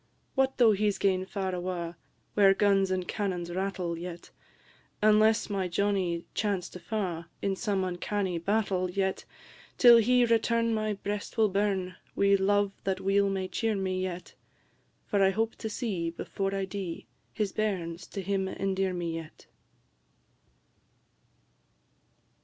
"What though he's now gane far awa', Whare guns and cannons rattle, yet Unless my Johnnie chance to fa' In some uncanny battle, yet Till he return my breast will burn Wi' love that weel may cheer me yet, For I hope to see, before I dee, His bairns to him endear me yet."